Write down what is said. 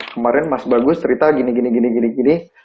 kemarin mas bagus cerita gini gini gini